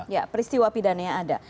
ya peristiwa pidananya ada